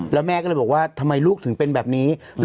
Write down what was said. แล้วแม่ก็เลยบอกว่าทำไมลูกถึงเป็นแบบนี้